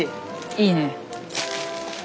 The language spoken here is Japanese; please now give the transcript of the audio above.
いいね。